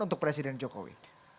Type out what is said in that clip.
untuk presiden jokowi